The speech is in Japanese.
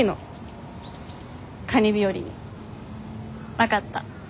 分かった。